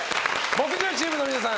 木１０チームの皆さん